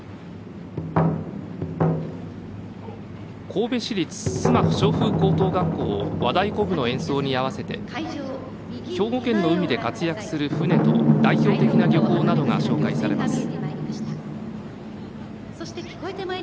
神戸市立須磨翔風高等学校和太鼓部の演奏に合わせて兵庫県の海で活躍する船と代表的な漁法などが紹介されます。